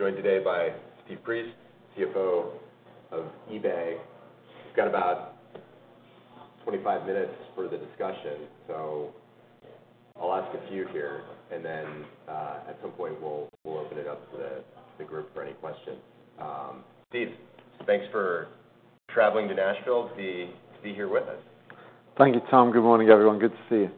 Analysts. I'm joined today by Steve Priest, CFO of eBay. We've got about 25 minutes for the discussion, so I'll ask a few here, and then, at some point, we'll open it up to the group for any questions. Steve, thanks for traveling to Nashville to be here with us. Thank you, Tom. Good morning, everyone. Good to see you.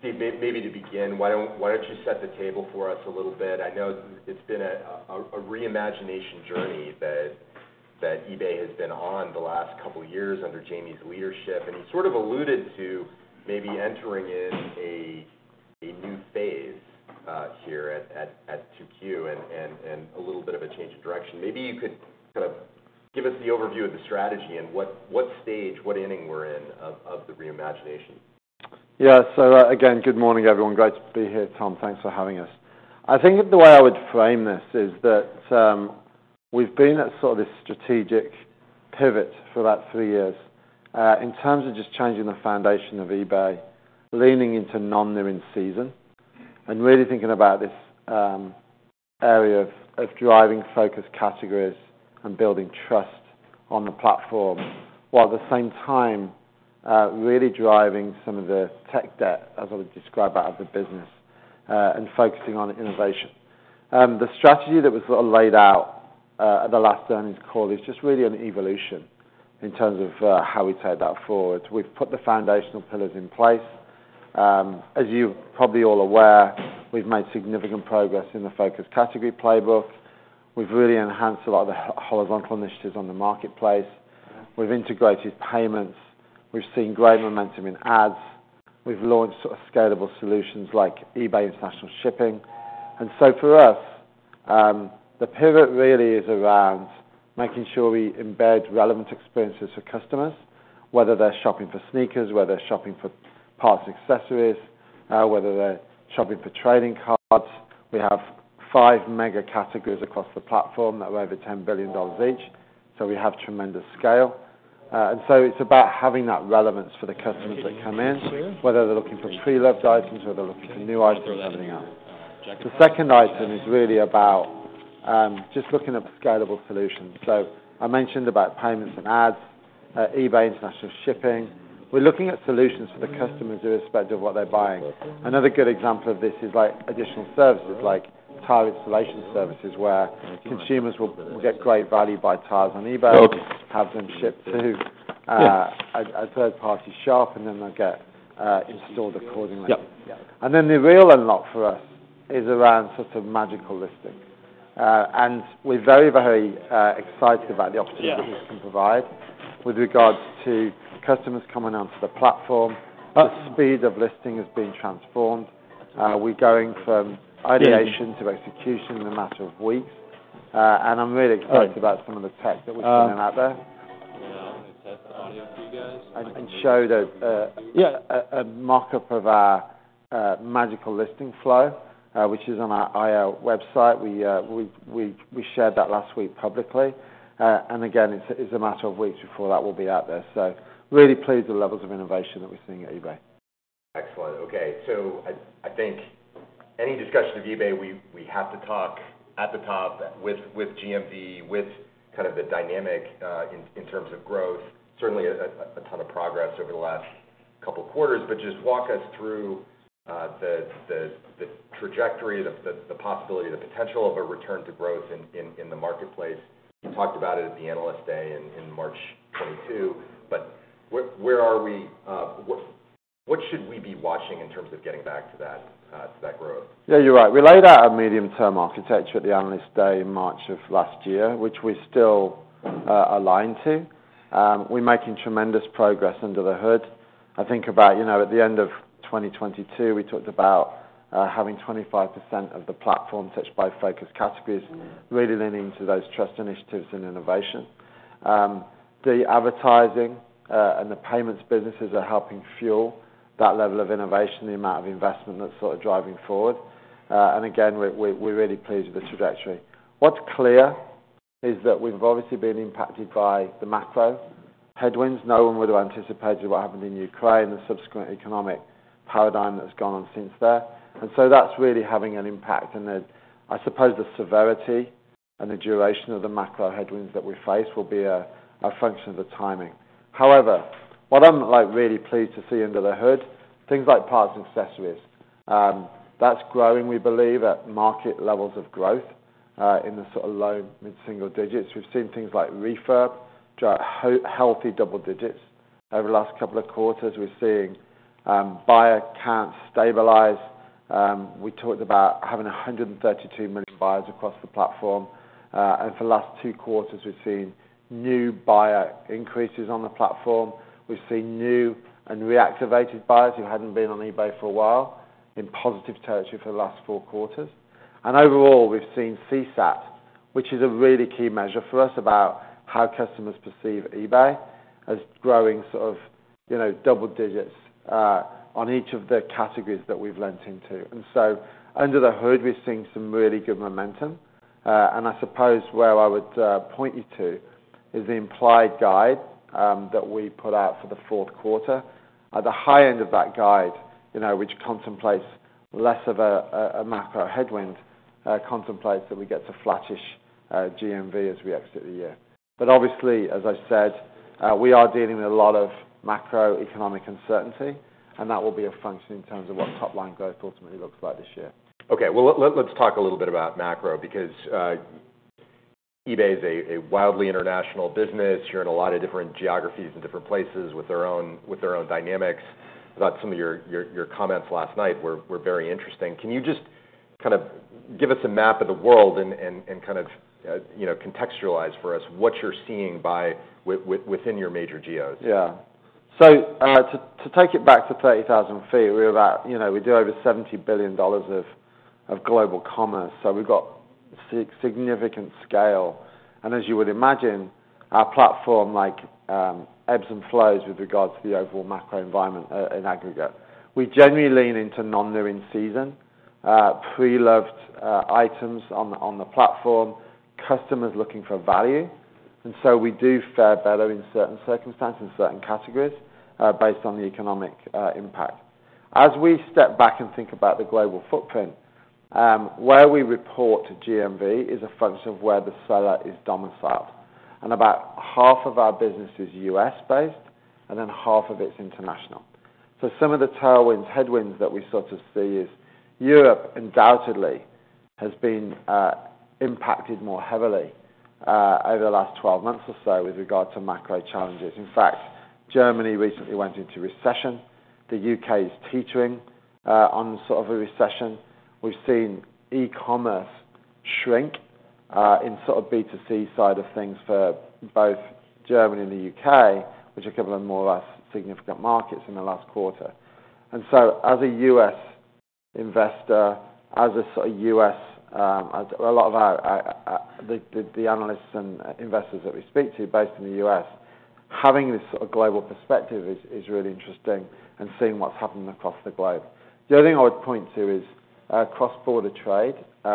Steve, maybe to begin, why don't you set the table for us a little bit? I know it's been a reimagination journey that eBay has been on the last couple of years under Jamie's leadership, and he sort of alluded to maybe entering in a new phase here at 2Q and a little bit of a change of direction. Maybe you could kind of give us the overview of the strategy and what stage, what inning we're in of the reimagination. Yeah. So, again, good morning, everyone. Great to be here, Tom. Thanks for having us. I think the way I would frame this is that, we've been at sort of this strategic pivot for about three years, in terms of just changing the foundation of eBay, leaning into non-durables, and really thinking about this area of driving focused categories and building trust on the platform, while at the same time, really driving some of the tech debt, as I would describe, out of the business, and focusing on innovation. The strategy that was sort of laid out at the last earnings call is just really an evolution in terms of how we take that forward. We've put the foundational pillars in place. As you're probably all aware, we've made significant progress in the focused category playbook. We've really enhanced a lot of the horizontal initiatives on the marketplace. We've integrated payments, we've seen great momentum in ads, we've launched sort of scalable solutions like eBay International Shipping. For us, the pivot really is around making sure we embed relevant experiences for customers, whether they're shopping for sneakers, whether they're shopping for parts, accessories, whether they're shopping for trading cards. We have five mega categories across the platform that are over $10 billion each, so we have tremendous scale. It's about having that relevance for the customers that come in, whether they're looking for pre-loved items, or they're looking for new items, or everything else. The second item is really about just looking at scalable solutions. I mentioned about payments and ads, eBay International Shipping. We're looking at solutions for the customers irrespective of what they're buying. Another good example of this is like additional services, like tile installation services, where consumers will get great value by buying tiles on eBay, have them shipped to a third-party shop, and then they'll get installed accordingly. Yep. Then the real unlock for us is around sort of Magical Listing. We're very, very excited about the opportunities- Yeah -this can provide with regards to customers coming onto the platform. The speed of listing has been transformed. We're going from ideation to execution in a matter of weeks, and I'm really excited about some of the tech that we're bringing out there. Um. Can I test the audio for you guys? I can show the. Yeah A mock-up of our Magical Listing flow, which is on our IL website. We shared that last week publicly. And again, it's a matter of weeks before that will be out there. So really pleased with the levels of innovation that we're seeing at eBay. Excellent. Okay. So I think any discussion of eBay, we have to talk at the top with GMV, with kind of the dynamic in terms of growth. Certainly a ton of progress over the last couple of quarters, but just walk us through the trajectory, the possibility, the potential of a return to growth in the marketplace. You talked about it at the Analyst Day in March 2022, but where are we? What should we be watching in terms of getting back to that growth? Yeah, you're right. We laid out our medium-term architecture at the Analyst Day in March of last year, which we're still aligned to. We're making tremendous progress under the hood. I think about, you know, at the end of 2022, we talked about having 25% of the platform touched by focused categories, really leaning into those trust initiatives and innovation. The advertising and the payments businesses are helping fuel that level of innovation, the amount of investment that's sort of driving forward. And again, we're really pleased with the trajectory. What's clear is that we've obviously been impacted by the macro headwinds. No one would have anticipated what happened in Ukraine, the subsequent economic paradigm that's gone on since there. And so that's really having an impact, and the... I suppose, the severity and the duration of the macro headwinds that we face will be a function of the timing. However, what I'm, like, really pleased to see under the hood, things like parts and accessories. That's growing, we believe, at market levels of growth, in the sort of low- to mid-single digits. We've seen things like refurb, grow healthy double digits. Over the last couple of quarters, we're seeing buyer counts stabilize. We talked about having 132 million buyers across the platform, and for the last two quarters, we've seen new buyer increases on the platform. We've seen new and reactivated buyers who hadn't been on eBay for a while, in positive territory for the last four quarters. Overall, we've seen CSAT, which is a really key measure for us about how customers perceive eBay, as growing sort of, you know, double digits, on each of the categories that we've leaned into. So under the hood, we're seeing some really good momentum. And I suppose where I would point you to is the implied guide, that we put out for the fourth quarter. At the high end of that guide, you know, which contemplates less of a macro headwind, contemplates that we get to flattish GMV as we exit the year. But obviously, as I said, we are dealing with a lot of macroeconomic uncertainty, and that will be a function in terms of what top-line growth ultimately looks like this year. Okay, well, let's talk a little bit about macro, because eBay is a wildly international business. You're in a lot of different geographies and different places with their own dynamics. I thought some of your comments last night were very interesting. Can you just kind of give us a map of the world and kind of, you know, contextualize for us what you're seeing within your major geos? Yeah. So, to take it back to 30,000 feet, we're about, you know, we do over $70 billion of global commerce, so we've got significant scale. And as you would imagine, our platform like ebbs and flows with regard to the overall macro environment, in aggregate. We generally lean into non-new in season, pre-loved items on the platform, customers looking for value. And so we do fare better in certain circumstances, in certain categories, based on the economic impact. As we step back and think about the global footprint, where we report to GMV is a function of where the seller is domiciled, and about half of our business is U.S.-based, and then half of it's international. So some of the tailwinds, headwinds that we sort of see is Europe undoubtedly has been impacted more heavily over the last 12 months or so with regard to macro challenges. In fact, Germany recently went into recession. The U.K. is teetering on sort of a recession. We've seen e-commerce shrink in sort of B2C side of things for both Germany and the U.K., which are giving them more or less significant markets in the last quarter. And so as a U.S. investor, as a sort of U.S. A lot of our the analysts and investors that we speak to, based in the U.S., having this sort of global perspective is really interesting and seeing what's happening across the globe. The other thing I would point to is cross-border trade.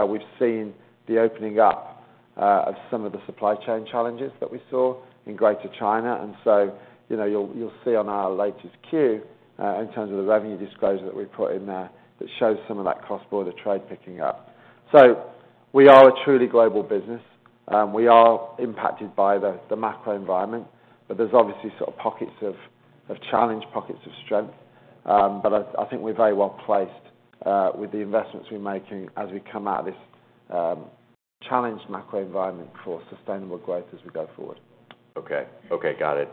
We've seen the opening up of some of the supply chain challenges that we saw in Greater China, and so, you know, you'll see on our latest Q in terms of the revenue disclosure that we put in there, that shows some of that cross-border trade picking up. So we are a truly global business. We are impacted by the macro environment, but there's obviously sort of pockets of challenge, pockets of strength. But I think we're very well placed with the investments we're making as we come out of this challenged macro environment for sustainable growth as we go forward. Okay. Okay, got it.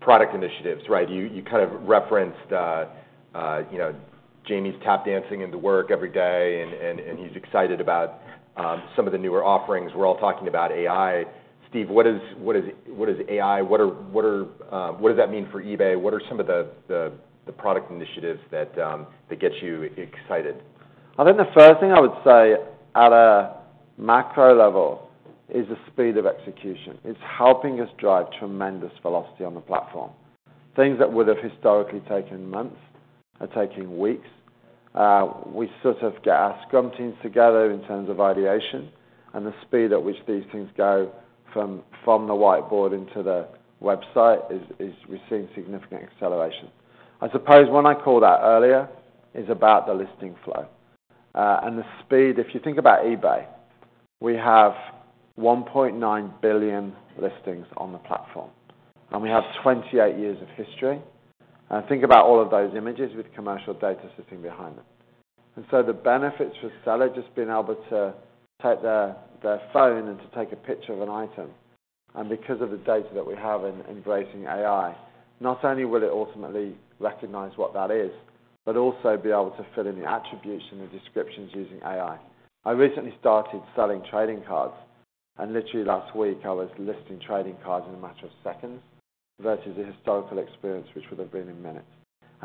Product initiatives, right? You kind of referenced, you know, Jamie's tap dancing into work every day, and he's excited about some of the newer offerings. We're all talking about AI. Steve, what is AI? What does that mean for eBay? What are some of the product initiatives that get you excited? I think the first thing I would say at a macro level is the speed of execution. It's helping us drive tremendous velocity on the platform. Things that would have historically taken months are taking weeks. We sort of get our scrum teams together in terms of ideation and the speed at which these things go from the whiteboard into the website is we're seeing significant acceleration. I suppose one I called out earlier is about the listing flow, and the speed. If you think about eBay, we have 1.9 billion listings on the platform, and we have 28 years of history. And think about all of those images with commercial data sitting behind them. So the benefits for seller, just being able to take their, their phone and to take a picture of an item, and because of the data that we have in embracing AI, not only will it ultimately recognize what that is, but also be able to fill in the attribution and descriptions using AI. I recently started selling trading cards, and literally last week, I was listing trading cards in a matter of seconds versus the historical experience, which would have been in minutes.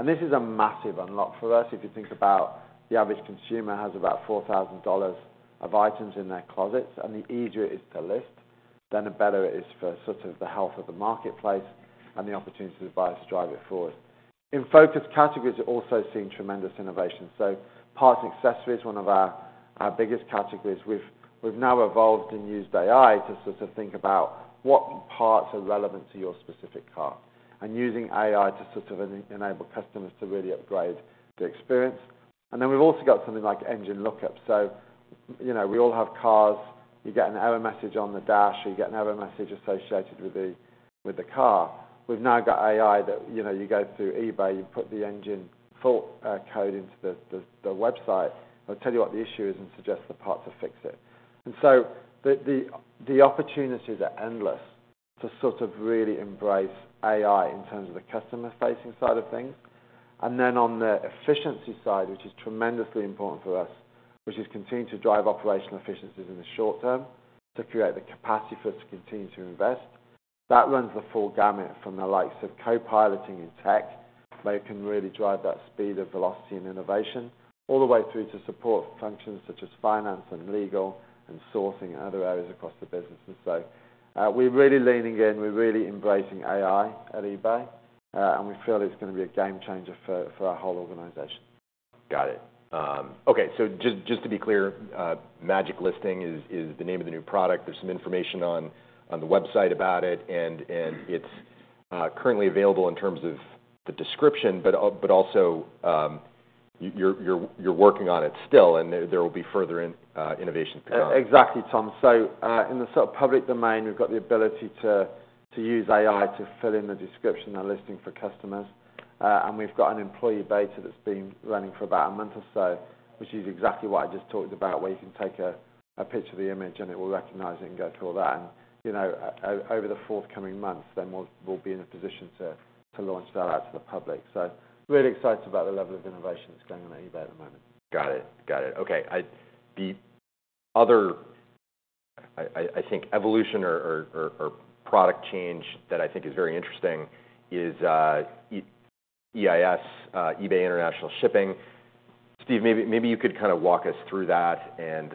This is a massive unlock for us. If you think about the average consumer has about $4,000 of items in their closets, and the easier it is to list, then the better it is for sort of the health of the marketplace and the opportunity to buy, to drive it forward. In focused categories, we're also seeing tremendous innovation. So parts and accessories, one of our biggest categories, we've now evolved and used AI to sort of think about what parts are relevant to your specific car, and using AI to sort of enable customers to really upgrade the experience. And then we've also got something like engine lookup. So, you know, we all have cars. You get an error message on the dash, or you get an error message associated with the car. We've now got AI that, you know, you go through eBay, you put the engine fault code into the website, it'll tell you what the issue is and suggest the part to fix it. And so the opportunities are endless to sort of really embrace AI in terms of the customer-facing side of things. And then on the efficiency side, which is tremendously important for us, which is continuing to drive operational efficiencies in the short term, to create the capacity for us to continue to invest. That runs the full gamut from the likes of co-piloting in tech, where it can really drive that speed of velocity and innovation, all the way through to support functions such as finance and legal and sourcing other areas across the business. And so, we're really leaning in, we're really embracing AI at eBay, and we feel it's gonna be a game changer for our whole organization.... Got it. Okay, so just, just to be clear, Magic Listing is, is the name of the new product. There's some information on, on the website about it, and, and it's currently available in terms of the description, but, but also, you're, you're, you're working on it still, and there, there will be further in, innovation to come. Exactly, Tom. So, in the sort of public domain, we've got the ability to use AI to fill in the description and listing for customers. And we've got an employee beta that's been running for about a month or so, which is exactly what I just talked about, where you can take a picture of the image, and it will recognize it and go through all that. And, you know, over the forthcoming months, then we'll be in a position to launch that out to the public. So really excited about the level of innovation that's going on at eBay at the moment. Got it. Got it. Okay. The other, I think evolution or product change that I think is very interesting is EIS, eBay International Shipping. Steve, maybe you could kind of walk us through that and,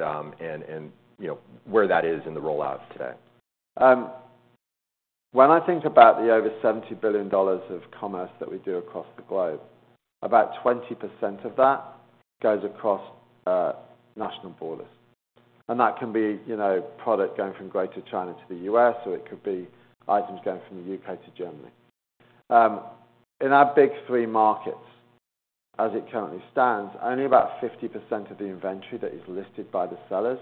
you know, where that is in the rollout today. When I think about the over $70 billion of commerce that we do across the globe, about 20% of that goes across national borders. That can be, you know, product going from Greater China to the U.S., or it could be items going from the U.K. to Germany. In our big three markets, as it currently stands, only about 50% of the inventory that is listed by the sellers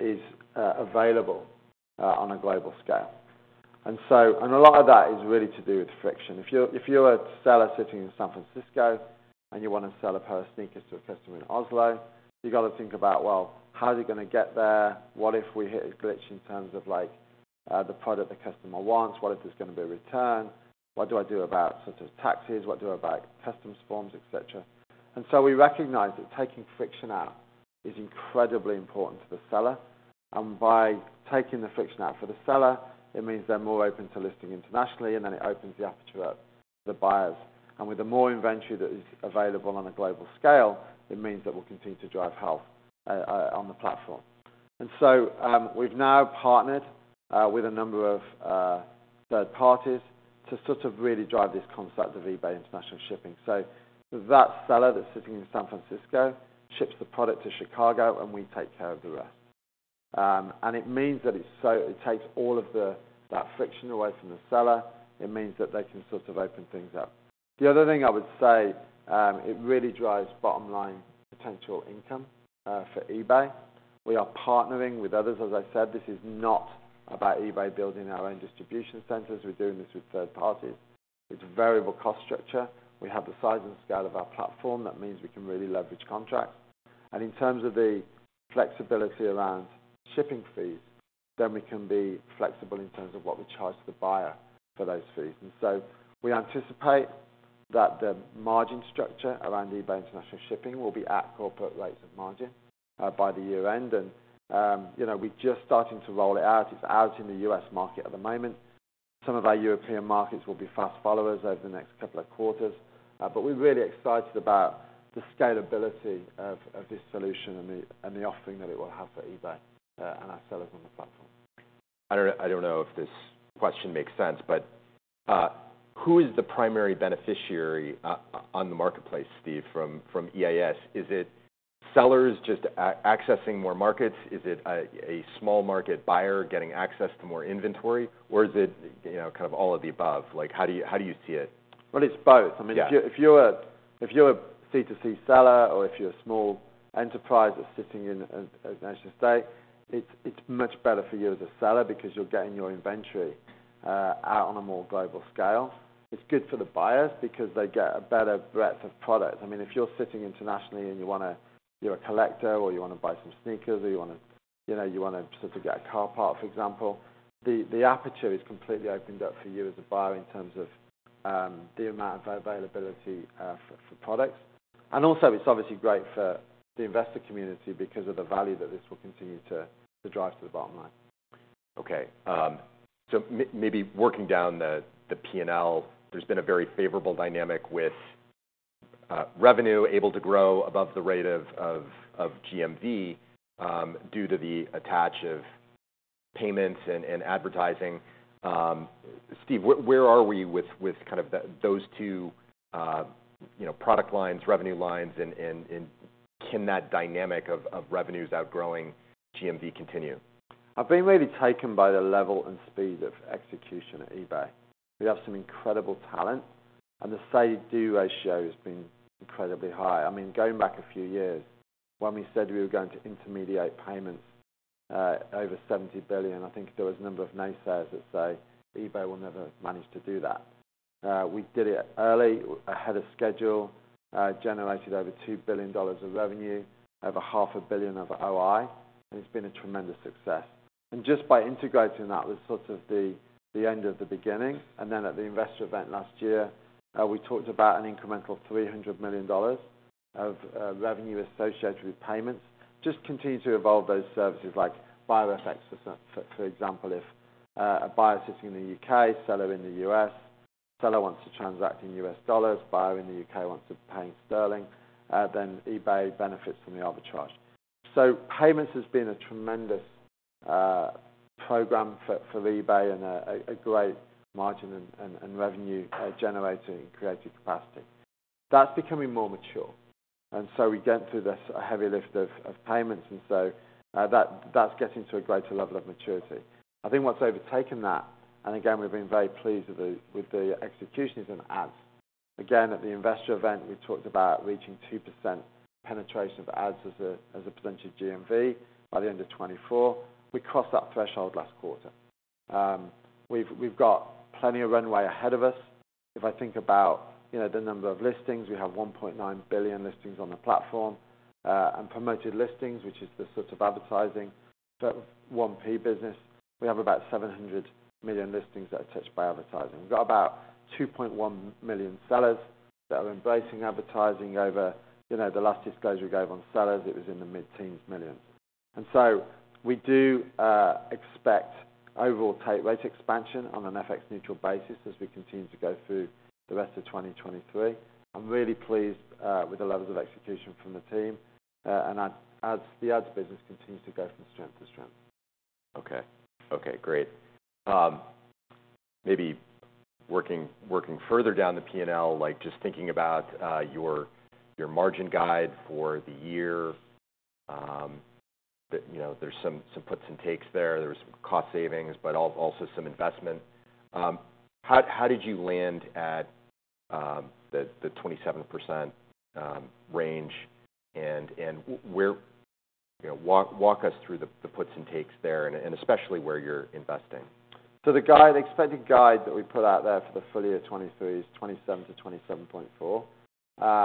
is available on a global scale. And a lot of that is really to do with friction. If you're a seller sitting in San Francisco, and you want to sell a pair of sneakers to a customer in Oslo, you've got to think about, well, how is it going to get there? What if we hit a glitch in terms of, like, the product the customer wants? What if there's going to be a return? What do I do about such as taxes? What do I about customs forms, et cetera? And so we recognize that taking friction out is incredibly important to the seller. And by taking the friction out for the seller, it means they're more open to listing internationally, and then it opens the aperture up to the buyers. And with the more inventory that is available on a global scale, it means that we'll continue to drive health on the platform. And so, we've now partnered with a number of third parties to sort of really drive this concept of eBay International Shipping. So that seller that's sitting in San Francisco, ships the product to Chicago, and we take care of the rest. And it means that it takes all of that friction away from the seller. It means that they can sort of open things up. The other thing I would say, it really drives bottom line potential income for eBay. We are partnering with others. As I said, this is not about eBay building our own distribution centers. We're doing this with third parties. It's a variable cost structure. We have the size and scale of our platform. That means we can really leverage contracts. And in terms of the flexibility around shipping fees, then we can be flexible in terms of what we charge the buyer for those fees. So we anticipate that the margin structure around eBay International Shipping will be at corporate rates of margin by year end. You know, we're just starting to roll it out. It's out in the U.S. market at the moment. Some of our European markets will be fast followers over the next couple of quarters, but we're really excited about the scalability of this solution and the offering that it will have for eBay and our sellers on the platform. I don't know, I don't know if this question makes sense, but who is the primary beneficiary on the marketplace, Steve, from EIS? Is it sellers just accessing more markets? Is it a small market buyer getting access to more inventory, or is it, you know, kind of all of the above? Like, how do you, how do you see it? Well, it's both. Yeah. I mean, if you're a C2C seller or if you're a small enterprise that's sitting in a national state, it's much better for you as a seller because you're getting your inventory out on a more global scale. It's good for the buyers because they get a better breadth of product. I mean, if you're sitting internationally and you wanna... You're a collector or you want to buy some sneakers, or you wanna, you know, you wanna sort of get a car part, for example, the aperture is completely opened up for you as a buyer in terms of the amount of availability for products. And also, it's obviously great for the investor community because of the value that this will continue to drive to the bottom line. Okay, so maybe working down the, the P&L, there's been a very favorable dynamic with revenue able to grow above the rate of GMV due to the attach of payments and advertising. Steve, where are we with kind of those two you know product lines, revenue lines, and can that dynamic of revenues outgrowing GMV continue? I've been really taken by the level and speed of execution at eBay. We have some incredible talent, and the say-do ratio has been incredibly high. I mean, going back a few years, when we said we were going to intermediate payments over $70 billion, I think there was a number of naysayers that say, eBay will never manage to do that. We did it early, ahead of schedule, generated over $2 billion of revenue, over $500 million of OI, and it's been a tremendous success. And just by integrating that was sort of the end of the beginning. And then at the investor event last year, we talked about an incremental $300 million of revenue associated with payments. Just continue to evolve those services like buyer FX, for example, if a buyer sitting in the U.K., seller in the U.S., seller wants to transact in U.S. dollars, buyer in the U.K. wants to pay in sterling, then eBay benefits from the arbitrage. So payments has been a tremendous program for eBay and a great margin and revenue generating creative capacity. That's becoming more mature, and so we get through this heavy lift of payments, and so that that's getting to a greater level of maturity. I think what's overtaken that, and again, we've been very pleased with the executions in ads. Again, at the investor event, we talked about reaching 2% penetration of ads as a percentage of GMV by the end of 2024. We crossed that threshold last quarter. We've got plenty of runway ahead of us. If I think about, you know, the number of listings, we have 1.9 billion listings on the platform, and Promoted Listings, which is the sort of advertising. So OnePay business, we have about 700 million listings that are touched by advertising. We've got about 2.1 million sellers that are embracing advertising. You know, the last disclosure we gave on sellers, it was in the mid-teens millions. And so we do expect overall take rate expansion on an FX neutral basis as we continue to go through the rest of 2023. I'm really pleased with the levels of execution from the team, and ads, the ads business continues to go from strength to strength. Okay. Okay, great. Maybe working further down the P&L, like, just thinking about your margin guide for the year, that you know, there's some puts and takes there. There are some cost savings, but also some investment. How did you land at the 27% range, and where... You know, walk us through the puts and takes there, and especially where you're investing. So the guide, the expected guide that we put out there for the full year of 2023 is 27-27.4.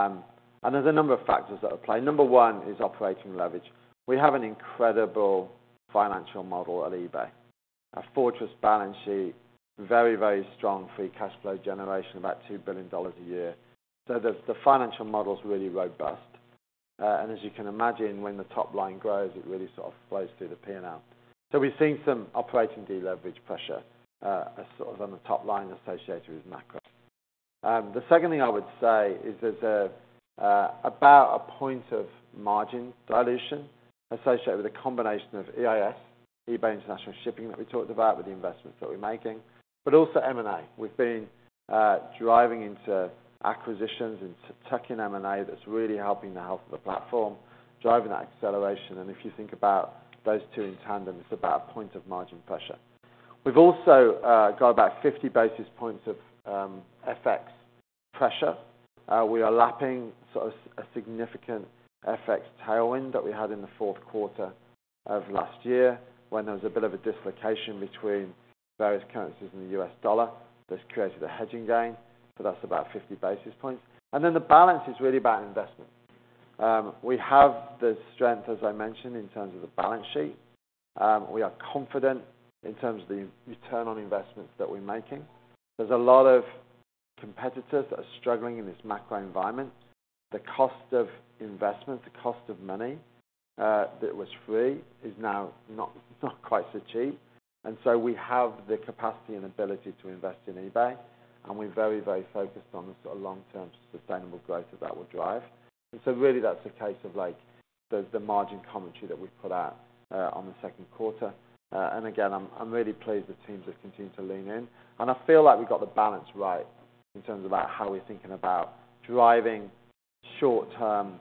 And there's a number of factors at play. Number one is operating leverage. We have an incredible financial model at eBay, a fortress balance sheet, very, very strong free cash flow generation, about $2 billion a year. So the financial model is really robust, and as you can imagine, when the top line grows, it really sort of flows through the P&L. So we're seeing some operating deleverage pressure, as sort of on the top line associated with macro. The second thing I would say is there's a about a point of margin dilution associated with a combination of EIS, eBay International Shipping, that we talked about, with the investments that we're making, but also M&A. We've been driving into acquisitions and tucking M&A that's really helping the health of the platform, driving that acceleration. And if you think about those two in tandem, it's about a point of margin pressure. We've also got about 50 basis points of FX pressure. We are lapping sort of a significant FX tailwind that we had in the fourth quarter of last year, when there was a bit of a dislocation between various currencies in the U.S. dollar. This created a hedging gain, so that's about 50 basis points. And then the balance is really about investment. We have the strength, as I mentioned, in terms of the balance sheet. We are confident in terms of the return on investments that we're making. There's a lot of competitors that are struggling in this macro environment. The cost of investment, the cost of money that was free, is now not quite so cheap. We have the capacity and ability to invest in eBay, and we're very, very focused on the sort of long-term sustainable growth that that will drive. Really, that's a case of, like, the margin commentary that we put out on the second quarter. Again, I'm really pleased the teams have continued to lean in, and I feel like we got the balance right in terms about how we're thinking about driving short-term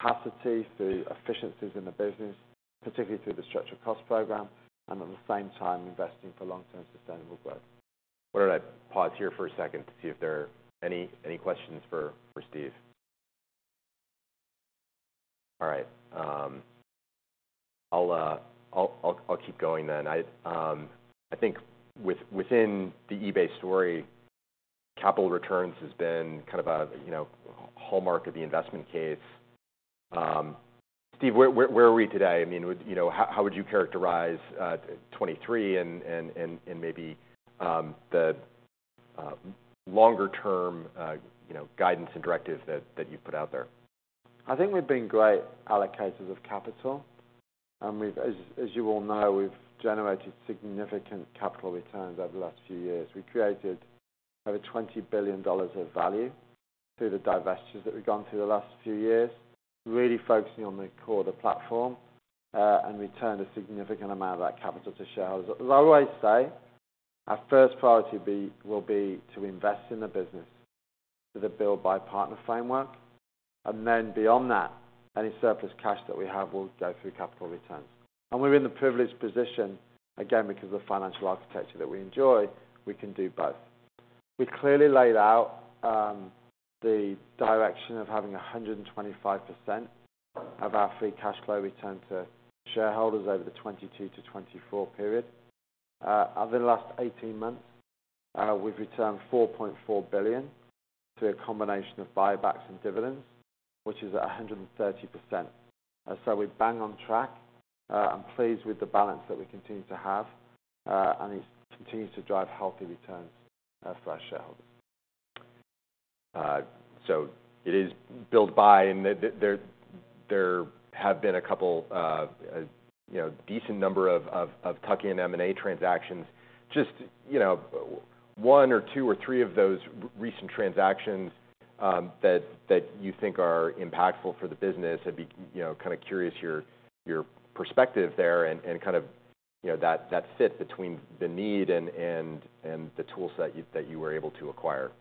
capacity through efficiencies in the business, particularly through the structural cost program, and at the same time, investing for long-term sustainable growth. Why don't I pause here for a second to see if there are any questions for Steve? All right, I'll keep going then. I think within the eBay story, capital returns has been kind of a you know, hallmark of the investment case. Steve, where are we today? I mean, you know, how would you characterize 2023 and maybe the longer-term you know, guidance and directives that you've put out there? I think we've been great allocators of capital, and we've, as you all know, we've generated significant capital returns over the last few years. We created over $20 billion of value through the divestitures that we've gone through the last few years, really focusing on the core of the platform, and returned a significant amount of that capital to shareholders. As I always say, our first priority will be to invest in the business with a build, buy, partner framework, and then beyond that, any surplus cash that we have will go through capital returns. And we're in the privileged position, again, because of the financial architecture that we enjoy, we can do both. We clearly laid out the direction of having 125% of our free cash flow returned to shareholders over the 2022-2024 period. Over the last 18 months, we've returned $4.4 billion to a combination of buybacks and dividends, which is 130%. And so we're bang on track. I'm pleased with the balance that we continue to have, and it continues to drive healthy returns for our shareholders. So it is built by and there have been a couple, you know, decent number of tuck-in M&A transactions. Just, you know, one or two or three of those recent transactions that you think are impactful for the business? I'd be, you know, kind of curious your perspective there and kind of, you know, that fit between the need and the tools that you were able to acquire.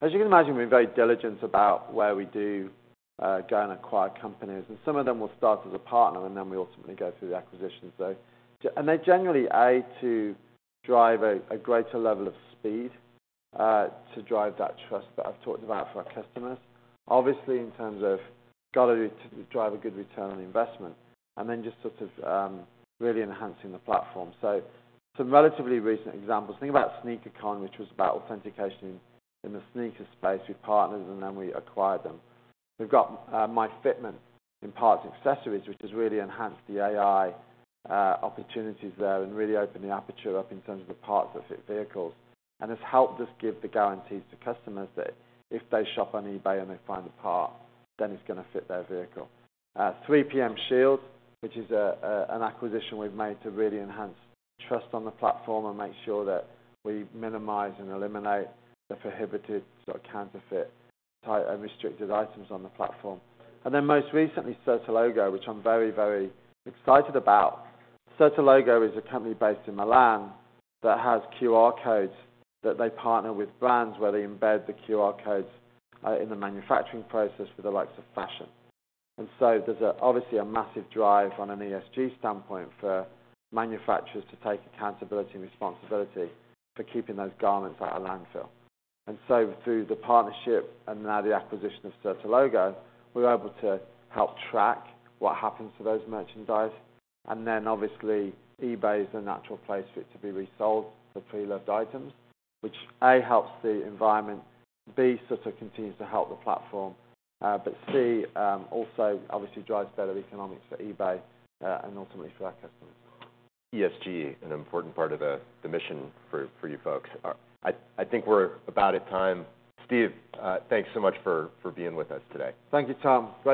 As you can imagine, we're very diligent about where we do go and acquire companies, and some of them will start as a partner, and then we ultimately go through the acquisition. So, and they're generally, A, to drive a greater level of speed to drive that trust that I've talked about for our customers. Obviously, in terms of got to drive a good return on investment, and then just sort of really enhancing the platform. So some relatively recent examples, think about Sneaker Con, which was about authentication in the sneaker space. We partnered, and then we acquired them. We've got myFitment in parts and accessories, which has really enhanced the AI opportunities there and really opened the aperture up in terms of the parts that fit vehicles, and has helped us give the guarantees to customers that if they shop on eBay and they find a part, then it's going to fit their vehicle. 3PM Shield, which is an acquisition we've made to really enhance trust on the platform and make sure that we minimize and eliminate the prohibited, sort of, counterfeit type and restricted items on the platform. And then most recently, Certilogo, which I'm very, very excited about. Certilogo is a company based in Milan that has QR codes, that they partner with brands where they embed the QR codes in the manufacturing process for the likes of fashion. There's obviously a massive drive from an ESG standpoint for manufacturers to take accountability and responsibility for keeping those garments out of landfill. Through the partnership and now the acquisition of Certilogo, we're able to help track what happens to those merchandise. Then obviously, eBay is the natural place for it to be resold, the pre-loved items, which, A, helps the environment, B, sort of continues to help the platform, but C, also obviously drives better economics for eBay, and ultimately for our customers. ESG, an important part of the mission for you folks. I think we're about at time. Steve, thanks so much for being with us today. Thank you, Tom.